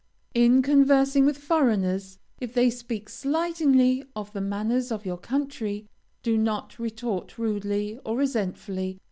In conversing with foreigners, if they speak slightingly of the manners of your country, do not retort rudely, or resentfully.